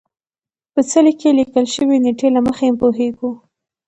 په څلي کې لیکل شوې نېټې له مخې پوهېږو.